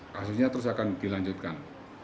kasusnya terus akan dilanjutkan